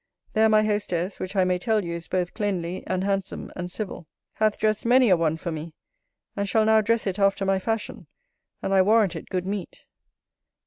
There my hostess, which I may tell you is both cleanly, and handsome, and civil, hath dressed many a one for me; and shall now dress it after my fashion, and I warrant it good meat.